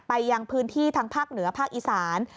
ยังพื้นที่ทางภาคเหนือภาคอีสาน